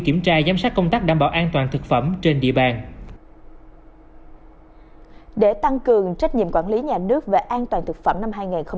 để tăng cường trách nhiệm quản lý nhà nước về an toàn thực phẩm năm hai nghìn hai mươi